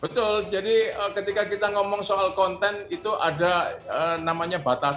betul jadi ketika kita ngomong soal konten itu ada namanya batas